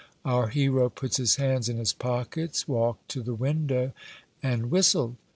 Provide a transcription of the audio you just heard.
Our hero put his hands in his pockets, walked to the window, and whistled.